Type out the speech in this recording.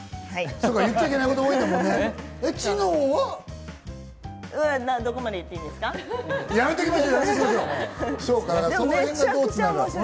そうか、言っちゃいけないこと多いんだもんね。